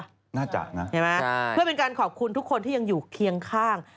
น่าจะนะใช่ไหมเพื่อเป็นการขอบคุณทุกคนที่ยังอยู่เคียงข้าง